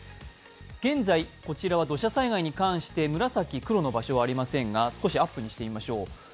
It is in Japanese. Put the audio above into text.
現在、こちらは土砂災害に関して紫黒の場所はありませんが少しアップにしてみましょう。